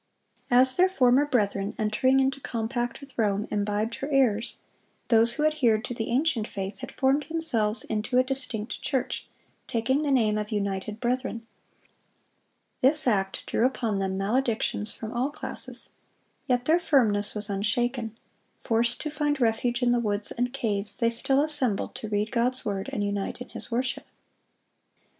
As their former brethren, entering into compact with Rome, imbibed her errors, those who adhered to the ancient faith had formed themselves into a distinct church, taking the name of "United Brethren." This act drew upon them maledictions from all classes. Yet their firmness was unshaken. Forced to find refuge in the woods and caves, they still assembled to read God's word and unite in His worship.